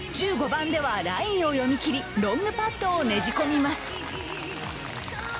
１５番ではラインを読み切り、ロングパットをねじ込みます。